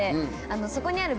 そこにある。